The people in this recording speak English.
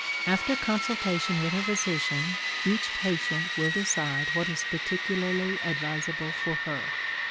After consultation with her physician each patient will decide what is particularly advisable for her.